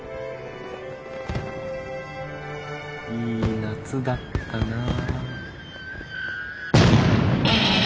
いい夏だったなぁ。